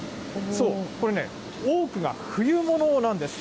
そう、これね、多くが冬物なんです。